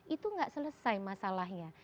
itu tidak selesai masalahnya